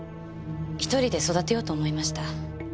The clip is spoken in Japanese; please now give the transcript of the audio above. １人で育てようと思いました。